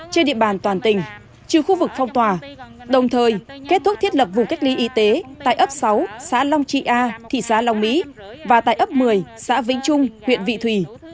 trên địa bàn toàn tỉnh trừ khu vực phong tỏa đồng thời kết thúc thiết lập vùng cách ly y tế tại ấp sáu xã long trị a thị xã long mỹ và tại ấp một mươi xã vĩnh trung huyện vị thủy